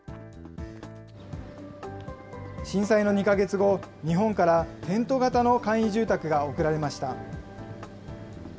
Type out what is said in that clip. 震災の２か月後、日本からテント型の簡易住宅が送られました。